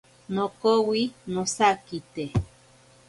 Nokowi nosakite.